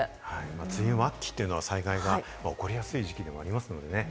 梅雨末期というのは災害が起こりやすい時期でもありますもんね。